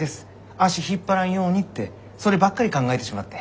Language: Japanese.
足引っ張らんようにってそればっかり考えてしまって。